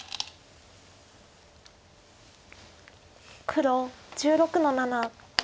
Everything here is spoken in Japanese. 黒１６の七。